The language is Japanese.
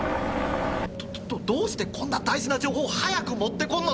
どっどうしてこんな大事な情報を早く持ってこんのだ！